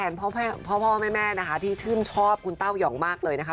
แทนพ่อแม่ที่ชื่นชอบคุณเต้าหย่องมากเลยนะคะ